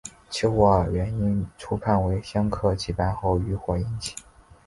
起火原因初判为香客祭拜后余火引起。